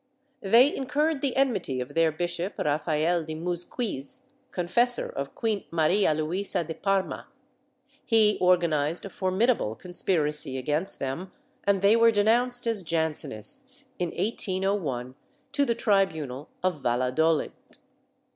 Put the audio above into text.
They incurred the enmity of their bishop, Rafael de Muzquiz, confessor of Queen Maria Luisa de Parma: he organized a formidable conspiracy against them and they were denounced as Jansenists, in 1801, to the tribunal of Valladolid.